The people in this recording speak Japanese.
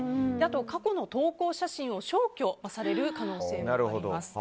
過去の投稿写真を消去される可能性があります。